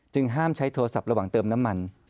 ห้ามใช้โทรศัพท์ระหว่างเติมน้ำมัน